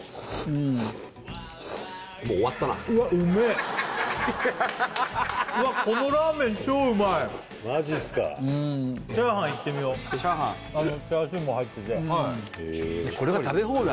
うんもう終わったなうわうめえマジっすかうんチャーハンいってみようチャーハンチャーシューも入っててこれが食べ放題？